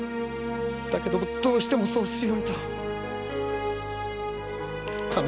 だけどどうしてもそうするようにと彼女が。